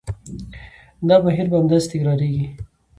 دا بهیر به همداسې تکرارېږي.